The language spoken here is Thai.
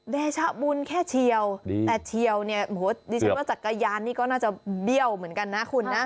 เดชบุญแค่เชียวแต่เชียวเนี่ยสักกระยานก็น่าจะเปรี้ยวเหมือนกันนะคุณนะ